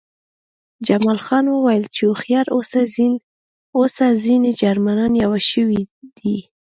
جمال خان وویل چې هوښیار اوسه ځینې جرمنان پوه شوي دي